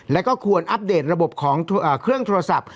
แล้วก็ควรอัปเดตระบบของเครื่องโทรศัพท์